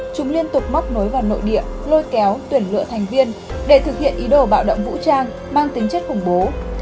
chúng liên tục móc nối vào nội địa lôi kéo tuyển lựa thành viên để thực hiện ý đồ bạo động vũ trang mang tính chất khủng bố